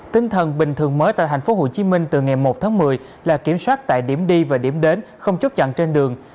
tinh thần bình thường mới tại thành phố hồ chí minh từ ngày một tháng một mươi là kiểm soát tại điểm đi và điểm đến không chốt chặn trên đường